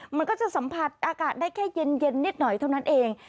มันก็จะสัมผัสอากาศได้แค่เย็นนิดหน่อยเท่านั้นเอง